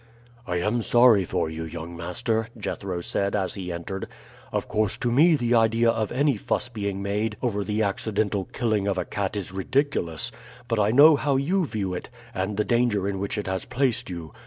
"I am sorry for you, young master," Jethro said as he entered. "Of course to me the idea of any fuss being made over the accidental killing of a cat is ridiculous; but I know how you view it, and the danger in which it has placed you.